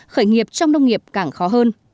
khởi nghiệp trong nông nghiệp càng khó hơn